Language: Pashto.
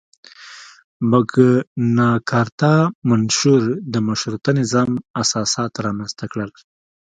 مګناکارتا منشور د مشروطه نظام اساسات رامنځته کړل.